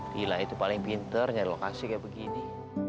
gila itu paling pinter nyari lokasi kayak begini